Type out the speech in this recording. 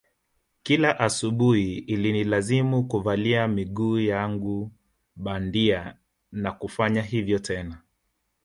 Kila asubuhi ilinilazimu kuvalia miguu yangu bandia na kufanya hivyo tena